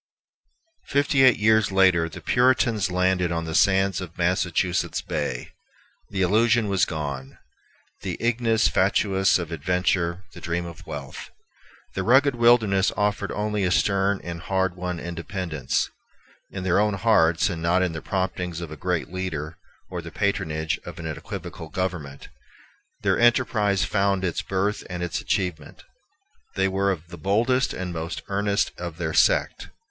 Fifty eight years later the Puritans landed on the sands of Massachusetts Bay. The illusion was gone, the ignis fatuus of adventure, the dream of wealth. The rugged wilderness offered only a stern and hard won independence. In their own hearts, and not in the promptings of a great leader or the patronage of an equivocal government, their enterprise found its birth and its achievement. They were of the boldest and most earnest of their sect.